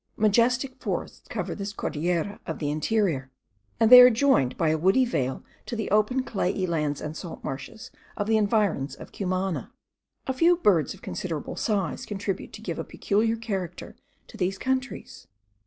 Majestic forests cover this Cordillera of the interior, and they are joined by a woody vale to the open clayey lands and salt marshes of the environs of Cumana. A few birds of considerable size contribute to give a peculiar character to these countries.